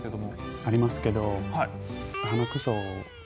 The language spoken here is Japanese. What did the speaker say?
ありますけど。